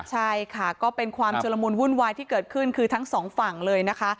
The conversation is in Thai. ใช่ค่ะก็เป็นความชุลมุนวุ่นวายที่เกิดขึ้นคือทั้งสองฝั่งเลยนะคะ